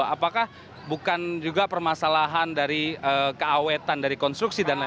apakah bukan juga permasalahan dari keawetan dari konstruksi dan lain lain